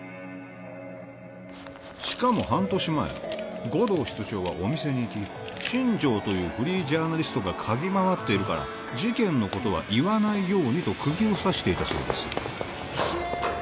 しかも半年前護道室長はお店に行き新城というフリージャーナリストが嗅ぎ回っているから事件のことは言わないようにとくぎを刺していたそうです